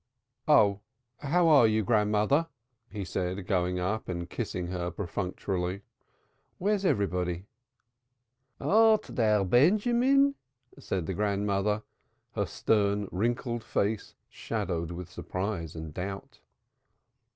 "Oh, how are you, grandmother?" he said, going up to her and kissing her perfunctorily. "Where's everybody?" "Art thou Benjamin?" said the grandmother, her stern, wrinkled face shadowed with surprise and doubt.